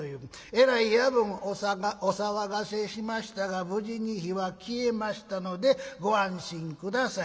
『えらい夜分お騒がせしましたが無事に火は消えましたのでご安心下さい。